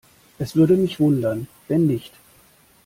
Es würde mich wundern, wenn nicht.